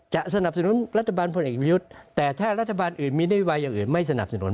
สนับสนุนรัฐบาลพลเอกประยุทธ์แต่ถ้ารัฐบาลอื่นมีนโยบายอย่างอื่นไม่สนับสนุน